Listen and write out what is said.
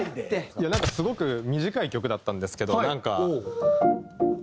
すごく短い曲だったんですけどなんか。